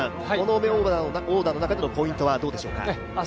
このオーダーの中でもポイントはどうでしょうか？